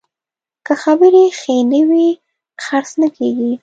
که خبرې ښې نه وي، خرڅ نه کېږي.